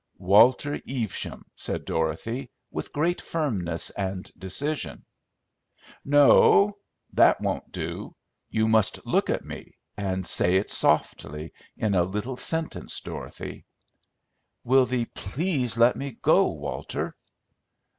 "Walter Evesham," said Dorothy, with great firmness and decision. "No, that won't do! You must look at me, and say it softly, in a little sentence, Dorothy." "Will thee please let me go, Walter?"